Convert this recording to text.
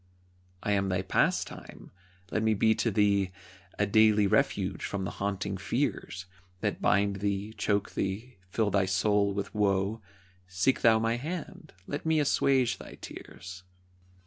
I am thy Pastime. Let me be to thee A daily refuge from the haunting fears That bind thee, choke thee, fill thy soul with woe. Seek thou my hand, let me assuage thy tears.